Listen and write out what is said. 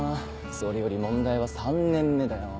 それより問題は３年目だよ。